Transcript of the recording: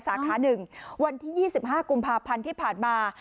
สาขา๑วันที่๒๕กุมภาพันธ์ที่ผ่านมา